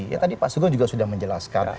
ya tadi pak sugeng juga sudah menjelaskan